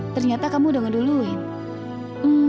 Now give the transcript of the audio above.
ternyata kamu udah ngeduluin